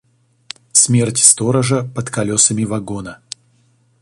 Смерть сторожа под колесами вагона.